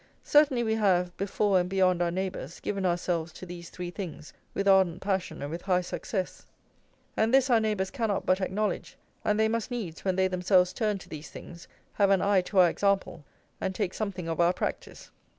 Certainly we have, before and beyond our neighbours, given ourselves to these three things with ardent passion and with high success. And this our neighbours cannot but acknowledge; and they must needs, when they themselves turn to these things, have an eye to our example, and take something of our practice.